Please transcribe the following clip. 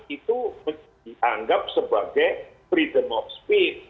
itu dianggap sebagai freedom of speed